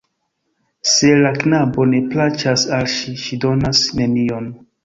Se la knabo ne plaĉas al ŝi, ŝi donas nenion.